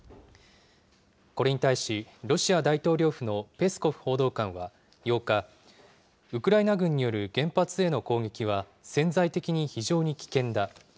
これに対し、ロシア大統領府のペスコフ報道官は８日、ウクライナ軍による原発への攻撃は潜在的に非常に危険だ。